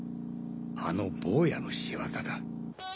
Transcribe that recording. あの坊やの仕業だ。